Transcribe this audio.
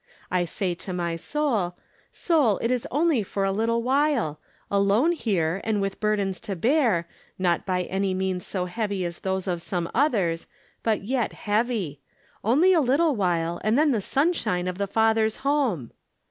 I say to my soul :' Soul, it is only for a little while ; alone here, and with burdens to bear, not by any means so heavy as those of some others, but yet heavy. Only a little while, and then the sun shine of the Father's home.'